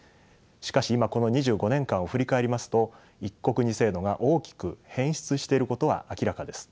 しかし今この２５年間を振り返りますと「一国二制度」が大きく変質していることは明らかです。